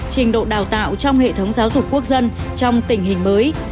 trình độ đào tạo trong hệ thống giáo dục quốc dân trong tình hình mới